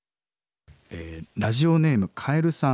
ラジオネームかえるさん。